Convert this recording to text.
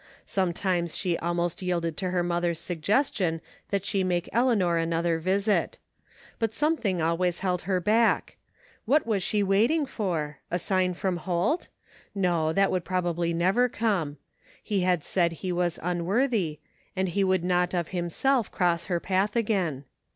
Sometimes she almost yielded to her mother's suggestion that she make Eleanor another visit; but something always held her back. What was she wait ing for? A sign from Holt ? No, that would probably never come. He had said he was unworthy, and he would not of himself cross her path again.